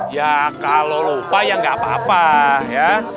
ya kalau lupa ya nggak apa apa ya